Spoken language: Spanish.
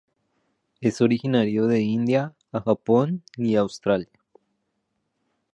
Es originario de India a Japón y Australia.